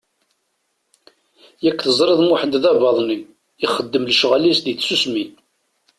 Yak teẓriḍ Muḥend d abaḍni, ixeddem lecɣal-is di tsusmi!